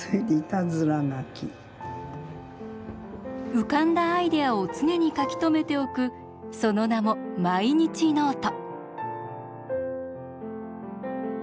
浮かんだアイデアを常に書き留めておくその名も毎日ノート。